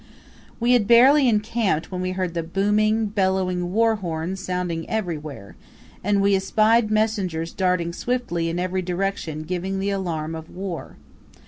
We had barely encamped when we heard the booming, bellowing war horns sounding everywhere, and we espied messengers darting swiftly in every direction giving the alarm of war.